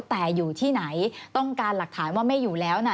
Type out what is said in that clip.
แต่อยู่ที่ไหนต้องการหลักฐานว่าไม่อยู่แล้วนะ